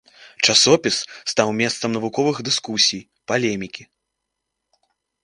Часопіс стаў месцам навуковых дыскусій, палемікі.